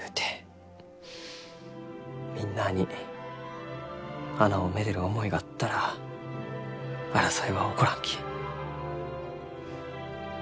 みんなあに花をめでる思いがあったら争いは起こらんき。